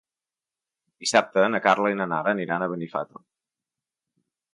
Dissabte na Carla i na Nara aniran a Benifato.